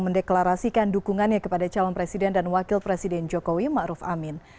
mendeklarasikan dukungannya kepada calon presiden dan wakil presiden jokowi ma'ruf amin